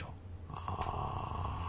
ああ。